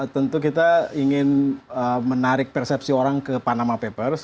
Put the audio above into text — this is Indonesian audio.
tentu kita ingin menarik persepsi orang ke panama papers